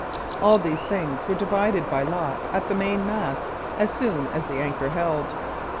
All these things were divided by lot at the main mast as soon as the anchor held.